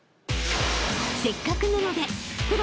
［せっかくなので］